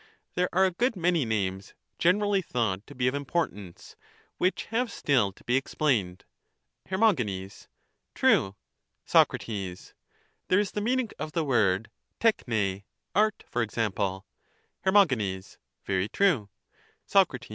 There are a good many names generally thought to be of importance, which have still to be explained. Her. True. Soi. There is the meaning of the word rsx'^'V (^^rt), for example — Her. Very true — Soe.